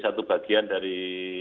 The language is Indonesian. satu bagian dari